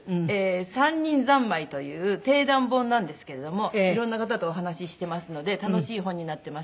『三人三昧』という鼎談本なんですけれども色んな方とお話ししてますので楽しい本になってます。